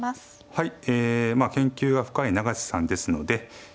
はい。